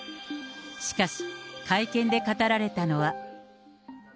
しかし、会見で語られたのは。